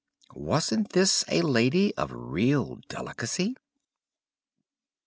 Wasn't this a lady of real delicacy?